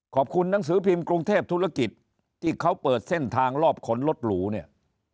หนังสือพิมพ์กรุงเทพธุรกิจที่เขาเปิดเส้นทางรอบขนรถหรูเนี่ย